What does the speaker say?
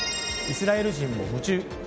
イスラエル人も夢中。